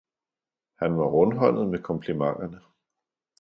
Han var rundhåndet med komplimenterne.